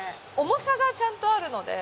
重さがちゃんとあるので。